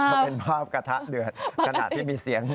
ทำบราบกระทะเดือดขนาดที่มีเสียง